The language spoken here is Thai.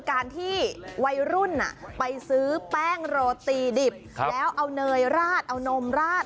การที่วัยรุ่นไปซื้อแป้งโรตีดิบแล้วเอาเนยราดเอานมราด